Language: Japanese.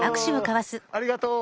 ありがとう。